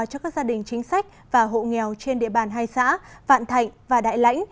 cho các gia đình chính sách và hộ nghèo trên địa bàn hai xã vạn thạnh và đại lãnh